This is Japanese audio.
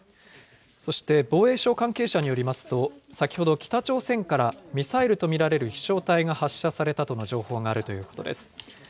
そして、防衛省関係者によりますと、先ほど、北朝鮮からミサイルと見られる飛しょう体が発射されたとの情報があるということです。